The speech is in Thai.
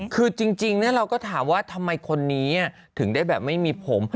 คือจริงเราก็ถามว่าทำไมคนนี้ถึงได้แบบไม่มีผม